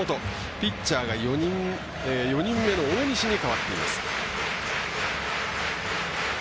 ピッチャーが４人目の大西に代わっています。